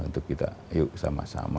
untuk kita ayo sama sama